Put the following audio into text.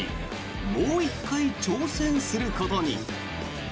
もう１回挑戦することに。